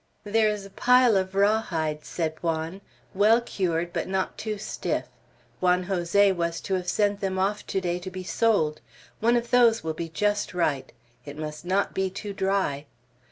"There is a pile of raw hides," said Juan, "well cured, but not too stiff; Juan Jose was to have sent them off to day to be sold; one of those will be just right. It must not be too dry."